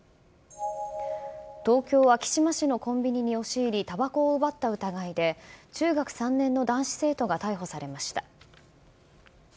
東京・昭島市のコンビニに押し入り、たばこを奪った疑いで、中学３年の男子生徒が逮捕されました。